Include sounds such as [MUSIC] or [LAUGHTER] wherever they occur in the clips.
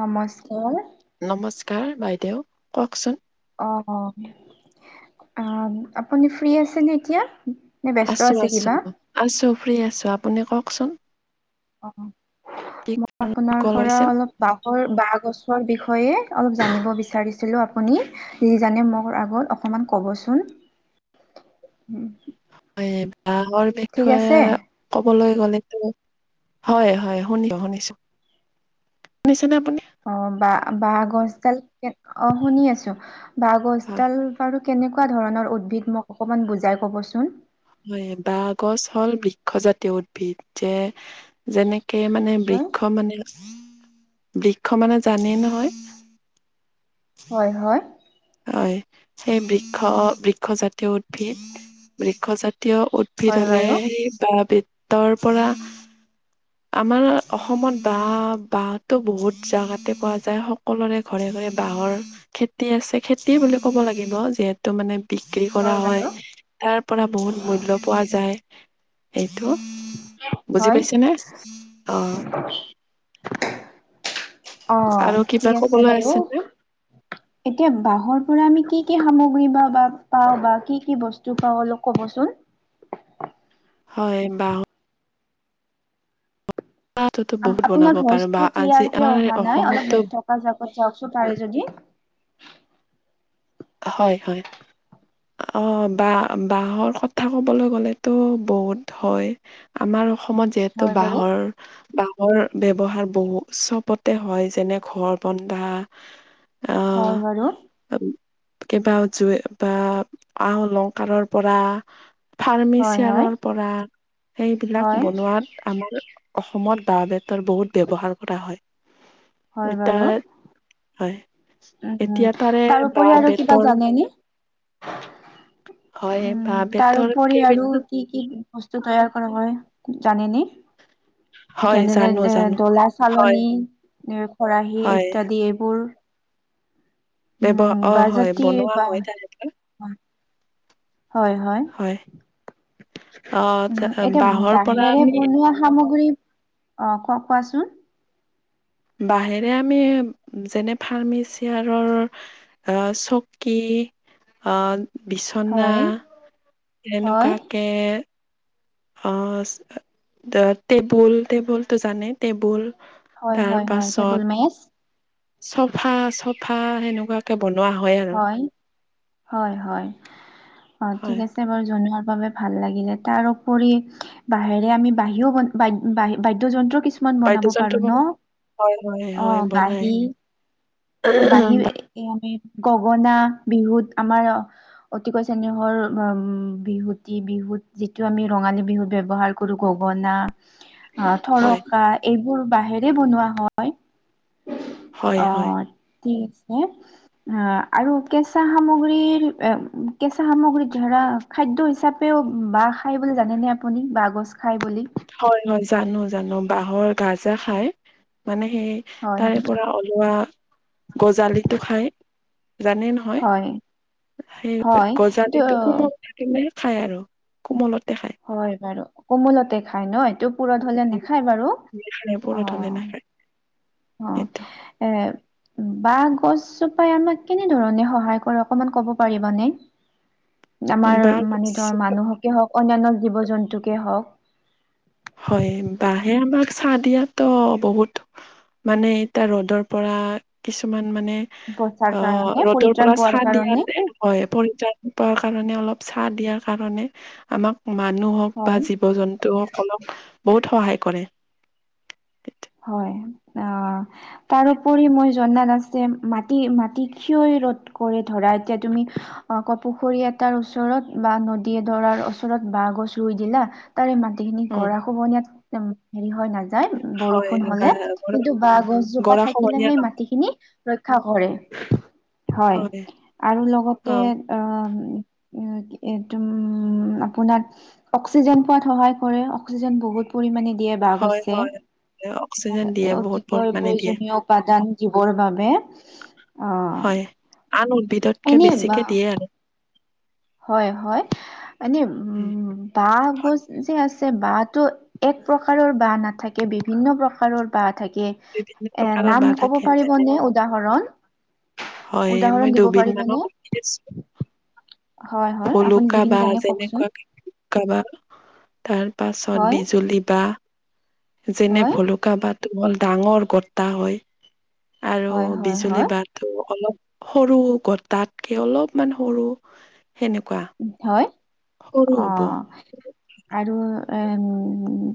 নমস্কাৰ। নমস্কাৰ, বাইদেউ কওঁকচোন। অ' আপুনি ফ্ৰী আছে নে এতিয়া? নে ব্যস্ত আছো, আছে আছো। কিবা? আছো ফ্ৰী আছো আপুনি কওঁকচোন। অ' মই আপোনাৰ কল পৰা কৰিছিল অলপ বাহৰ বাহ গছ বিষয়ে অলপ জানিব বিচাৰিছিলো আপুনি যিজানে মোৰ আগত অকমান ক'বচোন। উম। বাহ গছৰ ঠিক আছে বিষয়ে ক'লে মানে হয়, হয় শুনি শুনিছো শুনিছেনে আপুনি? অ' বা বাহগছডাল অ' শুনি আছো হয় বাহগছডাল বাৰু কেনেকুৱা ধৰণৰ উদ্ভিদ মোক অকমান বুজাই কবচোন। হয় বা গছ হ'ল বৃক্ষজাতীয় উদ্ভিদ যে যেনেক যেনে কে মানে হয় বৃক্ষ মানে বৃক্ষ মানে জানেই নহয়? হয়, হয়। হয়, সেই বৃক্ষ বৃক্ষজাতিয় উদ্ভিদ বৃক্ষজাতীয় এয়া উদ্ভিদ হয় হ'লে বাৰু সেই বাহ, বেতৰ পৰা আমাৰ অসমত বাহহ বাহতো বহুত জেগাতে পোৱা যায়, সকলোৰে ঘৰে বাহৰ খেতি আছে খেতি বুলি ক'ব লাগিব। যিহেতু মানে বিক্ৰী কৰা হয়, তাৰ পৰা বহুত মূল্য পোৱা যায়। টো বুজি হয় পাইছে নে অ' অ' আৰু কিবা ঠিক আছে কবলৈ বাৰু নে? এতিয়া বাহৰ ধৰ আমি কি কি সামগ্ৰী বা বা পাওঁ বা কি কি বস্তু পাওঁ অলপ ক'বচোন [UNINTELLIGIBLE] হয়, বাহৰ বাঁহৰতো বহুত বনাব আপোনাৰ পাৰো বা ভইচটো আজি ক্লিয়াৰ কে আমাৰ অহা নাই অলপ অসমতো নেটৱৰ্ক জেগাত প জাওকচোন পাৰে যদি। হয়, হয়। অ' বাহ বাহৰ কথা ক'বলৈ গ'লেতো বহুত হয় আমাৰ অসমত যিহেতু হয় বাৰু বাহৰ, বাহৰ ব্যৱহাৰ বহু উৎসৱতে হয় যেনে ঘৰ বন্ধা, আহ হয়, বাৰু। কিবা জুই বা আহ অলংকাৰৰ পৰা হয় হয় ফানিৰ্চিয়াৰৰ পৰা সেইবিলাক হয় বনোৱাত আমাৰ অসমত বাঁহ বেতৰ বহুত ব্যৱহাৰ কৰা হয় হয় এ বাৰু তয়া হয় উম এতিয়া তাৰে বাঁহ তাৰউপৰিও আৰু কিবা বেতৰ জানে নে? হয় উম বাঁহ বেতৰ তাৰউপৰি আৰু কেইবিধ কি কি ব্ তৈয়াৰ কৰা হয় জানে নে? হয় তেনেনে জানো জানো এ দলা, হয় চালনী খৰাহী হয় ইত্যাদি এইবোৰ। ব্যৱ উম, অ বাহ হয় জাতি বনোৱা বাহ হয় তেনেকে হয়, হয়। অ উম ত- এতিয়া বাঁহৰ পৰা বাহেৰে আমি বনোৱা সামগ্ৰী আহ ক কোৱাচোন বাহেৰে আমি যেনে ফাৰ্মানিচিয়াৰৰ চকী আহ বিচনা হয়। হয়, এনেকুৱাকে অ টেবুল টেবুল তো জানে টেবুল হয়, তাৰ হয়, হয় টেবুল পাছত মেচ চফা, চফা সেনেকুৱাকে বনোৱা হয় আৰু হয়, হয় অ ঠিক হয় আছে বাৰু জনোৱা বাবে ভাল লাগিলে তাৰপৰি বাহেৰে আমি বাহিৰও ব বাদ্যয় যন্ত্ৰ কিছুমান বনাব পাৰো বাদ্যযন্ত্ৰ ন বনোৱা হয় হয় অ হয় বনাই বাহী বাঢ়ি এ আমি গগনা বিহুত আমাৰ অতিকৈ চেনেহৰ উ বিহুতি বিহুত যিটো আমি ৰঙালী বিহু ব ব্যৱহাৰ কৰো গগনা অ হয় থৰকা এইবোৰ বাহেৰে বনোৱা হয় হয় অ হয় ঠিক আছে। অ আৰু কেঁচা সামগ্ৰীৰ কেঁচা সামগ্ৰী ধৰা খাদ্য হিচাপেও বাহ খাই বুলি জানেনেে আপুনি বাহ গছ খাই বুলি হয়, হয় জানো জানো বাহৰ গাজা খাই মানে সেই হয়, তাৰে পৰা ওলোৱা গজালিতটো খাই জানেই নহয় হয়, সেই হয়, এইটো গজালিতো কোমল থাকিলে খাই আৰু কোমলত হয় বাৰু কমলতে খাই নয় টো পুৰত হ'লে নাখায় বাৰু খায় পুৰত অ হলে নাখায় অ সেইটো এ বাহ গছজোপাই আমাক কেনেধৰণে সহায় কৰে অকমান কব পাৰিব নে [UNINTELLIGIBLE] আমাৰ বা মানে ধৰ মানুহকে হওক অনন্য জীৱ জন্তুকে হওক হয় বাহে আমাক চাহ দিয়াতো বহুত মানে এতিয়া ৰ'দৰ পৰা কিছুমান মানে বচাৰ অ কাৰণে ৰ'দৰ পৰিত্ৰাণ পৰা পোৱাৰ চাহ কাৰণে দিয়াতে হয় পৰিতাপ কাৰণে অলপ চাহ দিয়াৰ কাৰণে আমাক মানুহ হওক বা হয়। জীৱ জন্তু হওক সকলক বহুত সহায় কৰে হয় অ তাৰপৰি মই জনাত আছে মাটি মাটি কিয় ৰদ কৰি ধৰা এতিয়া তুমি অ ক পুখুৰী এটাৰ ওচৰত বা নদীয়ে দৰাৰ ওচৰত বাঁহ গছ ৰুই দিলা তাৰে মাটি খিনি উম। গৰা খ খহনিয়াত হেৰি হৈ নাযায় বৰষুণ হয় বষুণ হলে গা- গৰা কিন্তু বাঁ গছজোপা গৰা থাকিলে খহনীয়া সেই ন মাটিখিনি ৰক্ষা কৰে হয় আৰু লগতে অ দ উম আপোনাৰ অক্সিজেন পোৱাত সহায় কৰে অক্সিজেন বহুত পৰিমণে দিয়ে বাহ হয় গছে হয়। অক্সিজেন দিয়ে বহুত অতিকৈ পৰিমাণে দিয়ে প্ৰয়োজনীয় প জীৱৰ বাবে আহ হয় আন উদ্ভিদ এনে বা- হয়, হয় মানে উম হয় বাহগছ যে আছে বাঁহটো এক প্ৰকাৰৰ বাঁহ নাথাকে বিভিন্ন প্ৰকাৰৰ বাঁহ থাকে বিভিন্ন এ প্ৰকাৰৰ নাম বাঁহ কব থাকে যেনে পাৰিবনে উদাহৰণ হয় উদাহৰণ মই দিব দুবিধ মানৰ পাৰিবনে হয় হয় আপুনি ভুলুকা যিখিনি বা জানে কওকচোন তাৰপাছত হয় বিজুলী বা যেনে হয় ভলুকা বাহটো বৰ ডাঙৰ গটা হয় আৰু হয় হয় বিজুলী হয় বহটো অলপ সৰু গটাতকে অলপমান সৰু সেনেকুৱা হয় সৰু অ হ'ব আৰু এম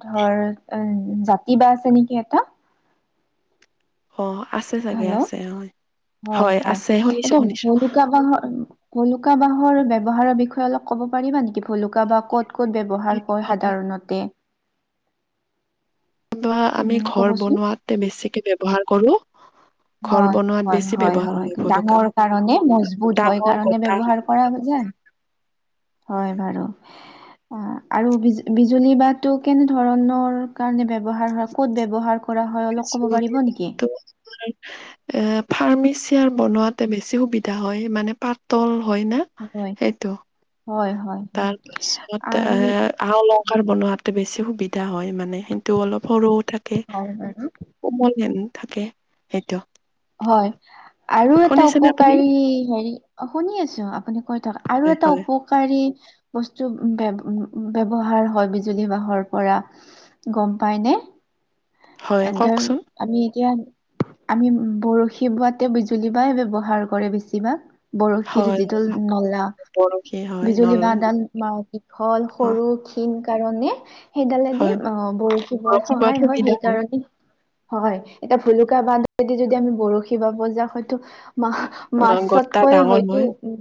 ধৰ জাতি বাঁহ আছে নেকি এটা অ আছে চাগে হেল্ল' আছে হয় হয়, হয় আছে শুনিছো এইটো শুনিছো ভলুকা বাঁহৰ ভুলুকা বাঁহৰ ব্যৱহাৰৰ বিষয়ে অলপ ক'ব পাৰিবা নেকি ভলুকা বাঁহ ক'ত কত ব্যৱহাৰ হয় সাধাৰণতে বা আমি উম, ঘৰ বনোৱাতে বেছিকে ব্যৱহাৰ কৰো উ ঘৰ হয়, বনোৱাত হয়, বেছি হয়, ব্যৱহাৰ হয় ভলুকা ডাঙৰ বাঁহ কাৰণে মজবুত হয় ডাঙৰ কাৰণে গটা ব্যৱহাৰ কৰা যায়। হয় বাৰু অ আৰু বি বিজুলী বাঁহটো কেনে ধৰণৰ কাৰণে ব ক'ত ব্যৱহাৰ কৰা হয় অলপ ক'ব বিজুলী পাৰিব নেকি ফাৰ্নিচিয়াৰ বনোৱাতে বেছি সুবিধা হয় মানে পাতল হয় ন হয়, সেইটো হয়, হয়, হয়। তাৰপিছত আৰু এ আ- অলংকাৰ বনোৱাতে বেছি সুবিধা হয় মানে সেইতো অলপ সৰুও থাকে হয় বাৰু। কোমল হেন থাকে সেইটো হয় আৰু এটা শুনিছেনে আপুনি উপকাৰী হেৰি শুনি আছো আপুনি থকা আৰু হয় এটা হয় উপকাৰী বস্তু ব্যৱহাৰ হয় বিজুলী বাঁহৰ পৰা গম পাইনে হয় ধৰ কওকচোন আমি এতিয়া আমি বৰশী বোৱাতে বিজুলী বাই ব্যৱহাৰ কৰে বেছিভাগ বৰশীৰ হয় যিটো নলা বৰশী হয় নল বিজুলী বাহ এডাল দীঘল অ সৰু ক্ষণ কাৰণে সেইডালেদি হয় বৰশী বোৱাত সহায় হয় সেইকাৰণে হয় এটা ভুলুকা বান্ধদি যদি আমি বৰশী বাব যাও হয়তো মা অ গটা মাছতকৈ ডাঙৰ হয়তো হয় উ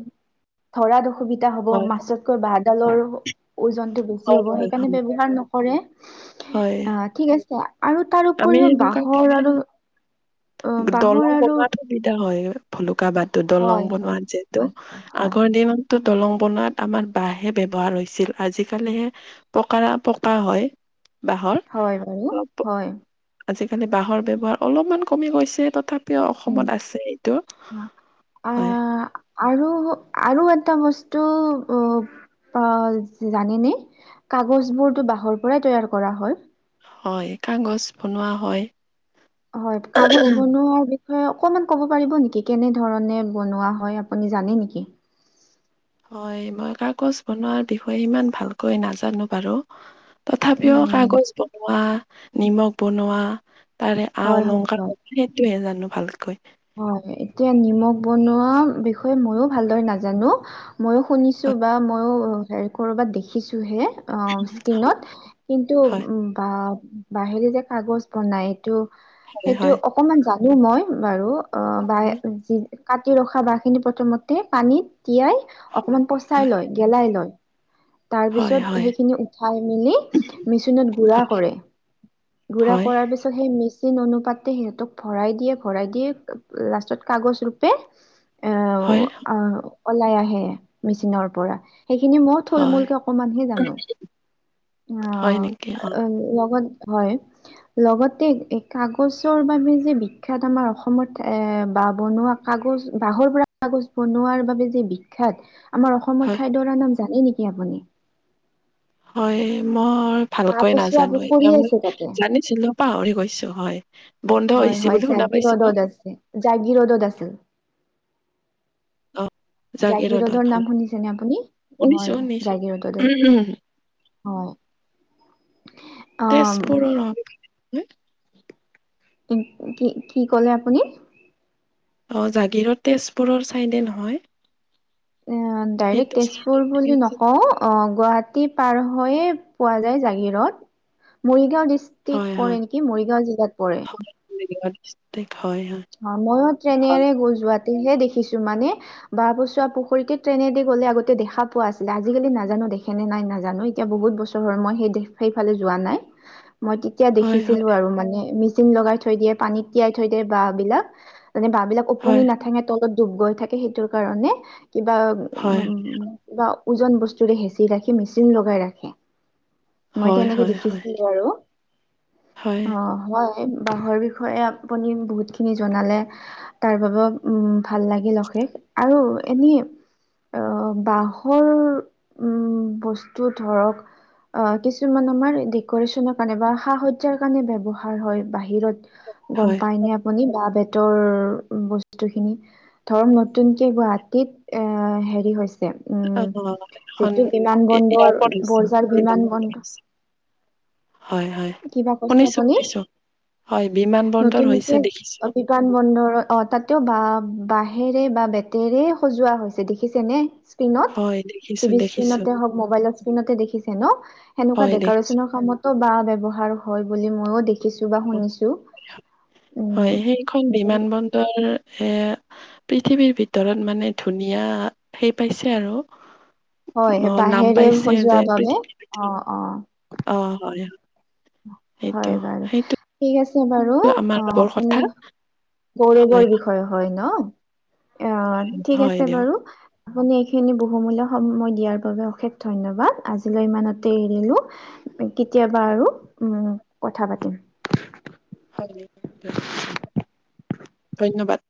ধৰাত অসুবিধা হ'ব হয় মাছতকৈ বাগ ডালৰ ওজনতটো বেছি হয় হ'ব সেইকাৰণে হয় ব্যৱহাৰ নকৰে হয় অ ঠিক আছে আৰু তাৰ আমি উপৰিও সেনেকুৱাকে বাঁহৰ আৰু অ বাঁহৰ দলং আৰু বনোৱাত সুবিধা হয়। ভুলুকা বাঁহটো দলং হয় বনোৱা হয় যিহেতু হয় হয় হয় আগৰ দিন দলং বনোৱাত আমাৰ বাঁহহে ব্যৱহাৰ হৈছিল আজিকালিহে পকাৰ পকা হয় বাঁহৰ হয় বাৰু অলপ হয় আজিকালি বাঁহৰ ব্যৱহাৰ অলপমান কমি গৈছে তথাপ উম হয় আহ আৰু আৰু এটা বস্তু অ অ জানেনে কাগজ বোৰতো বাঁহৰ পৰাই তৈয়াৰ কৰা হয়। হয় কাগজ বনোৱা হয়। হয় কাগজ বনোৱাৰ হয় অকনমান ক'ব পাৰিব নেকি কেনেধৰণে বনোৱা হয় আপুনি জানে নেকি হয়, মই কাগজ বনোৱাৰ বিষয়ে ইমান ভালকৈ নাজানো বাৰু। তথাপিও উম কাগজ বনোৱা নিমখ বনোৱা তাৰে আ হয় হয় অলংকাৰ হয় সেইটোহে জানো ভালকৈ হয়, এতিয়া নিমখ বনোৱা বিষয়ে ময়ো ভালদৰে নাজানো ময়ো শুনিছো হয় বা মইোে ক'ৰবাত দেখিছো হে। অ' হয় স্কিনত কিন্তু হয়। বা বাহিৰে যে কাগজ বনাই ত সেইটো হয় অকমান জানো মই বাৰু অ ব যি কাটি ৰখা বাঁহ খিনি প্ৰথমতে পানীত তিয়াই অকমান পচাই হয় লয় গেলাই লয় তাৰ হয় হয় পিছত হয় সেইখিনি উঠাই মেলি মেচিনত গুৰা কৰে গুৰা হয় কৰাৰ পিছত সেই মি যি ন অনুপাতে সিহঁতক ভৰাই দিয়ে ভৰাই দিয়ে লাষ্টত কাগজ ৰোপে হয় ওলাই আহে, মেচিনৰ পৰা সেইখিনি মই থুল হয় মূলকে অকমানহে জানো হয় নেকি অ' লগত হয়, লগতে কাগজৰ বাবে যে বিখ্যাত আমাৰ অসম অসমত এ বা বনোৱা কাগজ বহৰ পৰা কাগজ বনোৱাৰ বাবে যে বিখ্যাত আমাৰ অসমৰ হয় ঠাইডৰাৰ নাম জানে নেকি আপুনি? হয়, মই বাঁহ ভালকৈ পচোৱা নাজানো পুখুৰী এতিয়া মই আছে তাতে জানিছিলো পাহৰি গৈছো হয়, বন্ধ হৈ হৈছে বোলে। জাগীৰদদ আছে, জাগীৰদদ আছিল। অ' জাগিৰোডত জাগিৰুদৰ নাম হয় শুনিছেনে আপুনি শুনিছো হয় শুনিছো জাগিৰুদত আছে। হয়। অ তেজপুৰৰ কি কি ক'লে আপুনি অ' জাগীৰোড তেজপুৰৰ চাইডে নহয়? এ ডাইৰেক্ট সেইটো তেজপুৰ চাইডত বুলি নকওঁ অ' গুৱাহাটী পাৰ হৈয়ে পোৱা যায় জাগিৰোদ মই মৰিগাঁও হয় ডিষ্ট্ৰিক্ট হয় পৰে নেকি, মৰিগাঁও জিলাত পৰে। হয় অ' ময়ো ট্ৰেইনেৰে গৈ যোৱাত হে দেখিছো মানে বা পচোৱা পুখুৰীতে ট্ৰেইনেদি গ'লে আগতে দেখা পোৱা আছিলে, আজিকালি নাজানো দেখেনে নাই নাজানো এতিয়া বহুত বছৰ হ'ল মই সেই সেইফালে যোৱা নাই। মই তেতিয়া দেখিছিলো হয় হয় হয় আৰু মানে মেচিন লগাই থৈ দিয়ে পানীত তিয়াই থৈ দিয়ে বাহ বিলাক মানে বাহ বিলাক হয় ওপুঙি নাথেঙে তলত ডুব গৈ থাকে সেইটোৰ কাৰণে কিবা হয় হয় উ হয় কিবা ওজন বস্তুৰে হেঁচি ৰাখি, মেচিন লগাই ৰাখে। মই এতিয়া হয় এনেকে হয় হয়। দেখিছিলো আৰু হয়, অ' হয়। বাঁহৰ বিষয়ে আপুনি বহুত খিনি জনালে তাৰ বাবেও উম ভাল লাগিল অশেষ আৰু এনে আহ বহৰ উম বস্তু ধৰক অ' কিছুমান আমাৰ ডেক'ৰেশ্বচনৰ কাৰণে বা সা সজ্জাৰ কাৰণে ব্যৱহাৰ হয়, বাহিৰত গ'ম হয়। পাই নে বাহঁ বেতৰ বস্তু খিনি ধ নতুনকে গুৱাহাটী এ হেৰি হৈছে। উম, অ, এখন যিটো বিমান এ বন্দৰ এয়াৰপৰ্ট হৈছে ন বৰ্জাৰ বিমান বন্দৰ হৈছে। হয়, হয়, কিবা কৈছে শুনিছো আপুনি শুনিছো হয় বিমান বন্দৰ হৈছে দেখি অ' বিমান বন্দৰৰত অ' তাতে বা বাঁহেৰে বা বেতেৰে সজোৱা হৈছে দেখিছে নে স্কিনত হয়, দেখিছো, টিভি দেখিছো। স্কিণৰ হক মবাইলৰ স্ক্ৰীণতে দেখিছে ন সেনেুৱা হয়, দেখিছো। ডেক'ৰেশ্বনৰ কামতো বাহ ব্যৱহাৰ হয় বুলি ময়ো দেখিছো বা শুনিছো হয়, উম সেইখন বিমান বন্দৰ এ পৃথিৱীৰ ভিতৰত মানে ধুনীয়া সেই পাইছে আৰু হয় অ' নাম বাঁহেৰে পাইছে সজোৱা যে বাবে অ পৃথিৱী অ অ' হয়। সেইটো, হয় বাৰু, সেইটো ঠিক আছে বাৰু আমাৰ অ বৰ কথা আপুনি হয়, গৌৰৱৰ বিষয়ে হয় ন। অ' ঠিক হয় আছে দিয়ক। বাৰু আপুনি এইখিনি বহুমূল্য সময় দিয়াৰ বাবে অশেষ ধন্যবাদ, আজিলৈ ইমানতে এৰিলো। কেতিয়াবা আৰু উম কথা পাতিম। হয় দিয়ক, ধন্যবাদ।